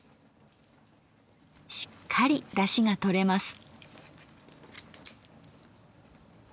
しっかりダシがとれます。